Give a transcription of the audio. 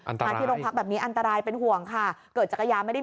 มาที่โรงพักแบบนี้อันตรายเป็นห่วงค่ะเกิดจักรยานไม่ได้